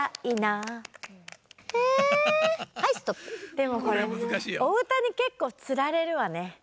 でもこれおうたにけっこうつられるわね。